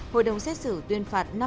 hội đồng xét xử tuyên phạt